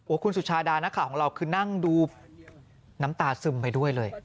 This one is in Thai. คุณสุชาดานักข่าวของเราคือนั่งดูน้ำตาซึมไปด้วยเลย